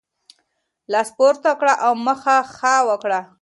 لاس پورته کړه او مخه ښه وکړه.